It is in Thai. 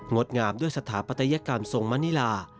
ดงามด้วยสถาปัตยกรรมทรงมณิลา